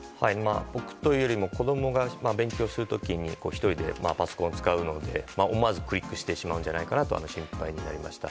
僕というよりも子供が勉強する時に１人でパソコンを使うので思わずクリックするんじゃないかなと心配になりました。